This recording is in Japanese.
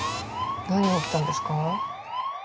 何が起きたんですか？